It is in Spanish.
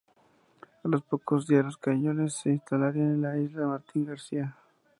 A los pocos días, los cañones se instalarían en la isla Martín García.